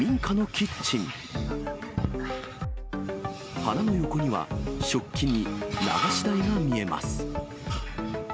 鼻の横には食器に流し台が見えます。